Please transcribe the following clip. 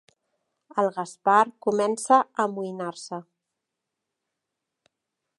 El Gaspar comença a amoïnar-se.